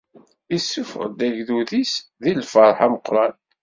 Issufeɣ-d agdud-is di lferḥ ameqqran.